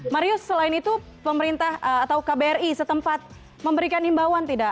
marius selain itu pemerintah atau kbri setempat memberikan himbauan tidak